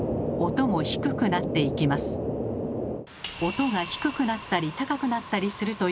音が低くなったり高くなったりするということは。